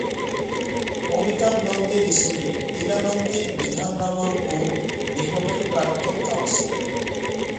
অমিতাভ নন্দীর স্ত্রী ইলা নন্দী বিধাননগর পুর নিগমের প্রাক্তন কাউন্সিলর।